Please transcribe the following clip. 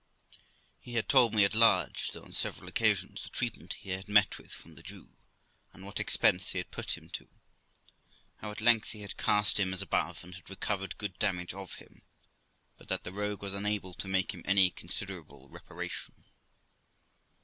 He had told me at large, though on several occasions, the treatment he had met with from the Jew, and what expense he had put him to; how at length he had cast him, as above, and had recovered good damage of him, but that the rogue was unable to make him any considerable reparation.